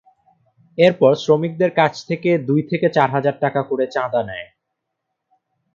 এরপর শ্রমিকদের কাছ থেকে দুই থেকে চার হাজার টাকা করে চাঁদা নেয়।